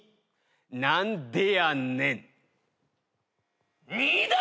何でやねん。